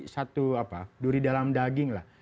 satu apa duri dalam daging lah